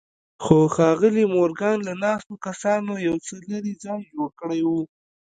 خو ښاغلي مورګان له ناستو کسانو يو څه لرې ځای جوړ کړی و.